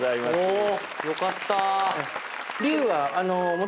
およかった。